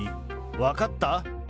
分かった？